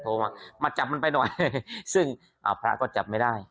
มามาจับมันไปหน่อยซึ่งอ่าพระก็จับไม่ได้